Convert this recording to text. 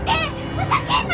ふざけんな！